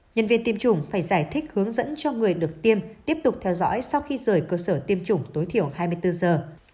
nhân viên tiêm chủng phải giải thích hướng dẫn cho người được tiêm tiếp tục theo dõi sau khi rời cơ sở tiêm chủng tối thiểu hai mươi bốn giờ